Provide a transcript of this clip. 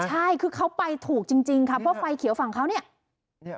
ใช่คือเขาไปถูกจริงค่ะเพราะไฟเขียวฝั่งเขาเนี่ย